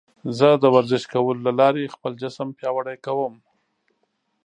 زه د ورزش کولو له لارې خپل جسم پیاوړی کوم.